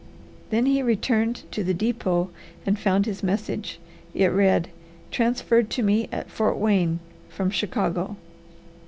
Then he returned to the depot and found his message. It read, "Transferred to me at Fort Wayne from Chicago."